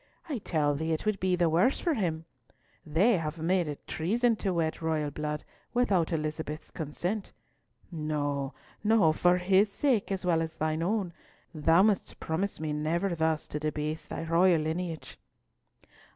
I tell thee it would be the worse for him. They have made it treason to wed royal blood without Elizabeth's consent. No, no, for his sake, as well as thine own, thou must promise me never thus to debase thy royal lineage."